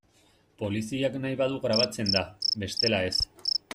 Poliziak nahi badu grabatzen da, bestela ez.